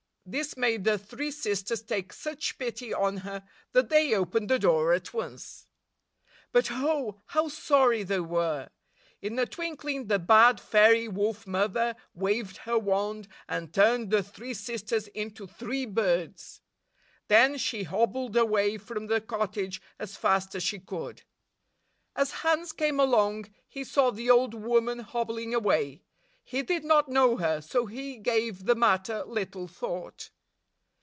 This made the three sisters take such pity on her that they opened the door at once. But, oh, how sorry they were! In a twin kling, the bad fairy Wolf Mother waved her wand, and turned the three sisters into three birds. Then she hobbled away from the cottage as fast as she could. As Hans came along, he saw the old woman hobbling away. He did not know her, so he gave the matter little thought.